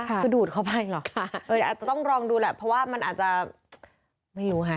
คือดูดเข้าไปหรออาจจะต้องลองดูแหละเพราะว่ามันอาจจะไม่รู้ค่ะ